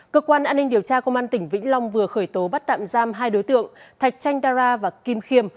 cơ quan an ninh điều tra công an tỉnh vĩnh long vừa khởi tố bắt tạm giam hai đối tượng thạch chanh dara và kim khiêm